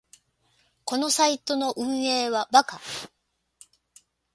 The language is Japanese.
このサイトの運営はバカ